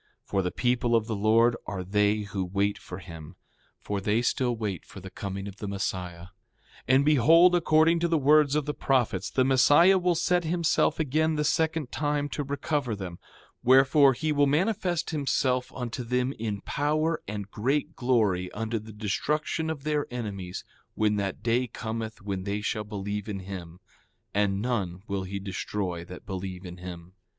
For the people of the Lord are they who wait for him; for they still wait for the coming of the Messiah. 6:14 And behold, according to the words of the prophet, the Messiah will set himself again the second time to recover them; wherefore, he will manifest himself unto them in power and great glory, unto the destruction of their enemies, when that day cometh when they shall believe in him; and none will he destroy that believe in him.